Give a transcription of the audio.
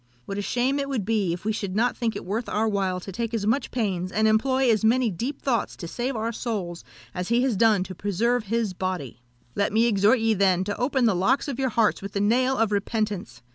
What a shame it would be if we should not think it worth our while to take as much pains, and employ as many deep thoughts to save our souls as he has done to preserve his body! "Let me exhort ye, then, to open the locks of your hearts with the nail of repentance!